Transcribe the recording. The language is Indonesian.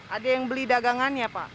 ada yang beli dagangannya pak